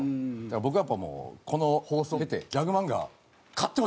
僕やっぱこの放送を経てギャグ漫画買ってほしいです！